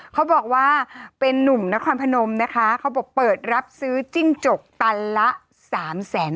เขาบอกว่าเป็นนุ่มนครพนมนะคะเขาบอกเปิดรับซื้อจิ้งจกตันละสามแสน